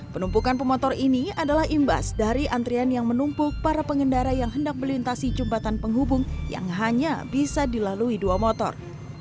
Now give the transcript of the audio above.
penumpukan pemotor ini adalah imbas dari antrian yang menumpuk para pengendara yang hendak melintasi jembatan penghubung yang hanya bisa dilalui dua motor